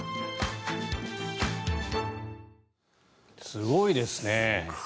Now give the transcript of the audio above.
すごいですね。